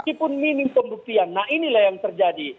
meskipun minim pembuktian nah inilah yang terjadi